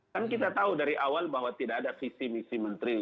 kan kita tahu dari awal bahwa tidak ada visi misi menteri